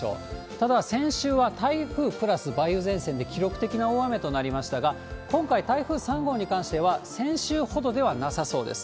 ただ、先週は台風プラス梅雨前線で記録的な大雨となりましたが、今回、台風３号に関しては、先週ほどではなさそうです。